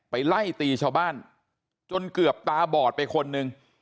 ไล่ตีชาวบ้านจนเกือบตาบอดไปคนนึง